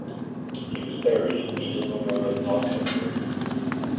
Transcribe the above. He was buried in Eden Memorial Park Cemetery.